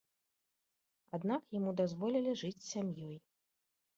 Аднак яму дазволілі жыць з сям'ёй.